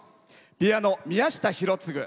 ピアノ、宮下博次。